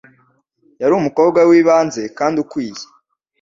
Yari umukobwa wibanze kandi ukwiye.